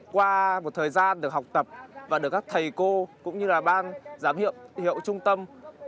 qua một thời gian được học tập và được các thầy cô cũng như là ban giám hiệu trung tâm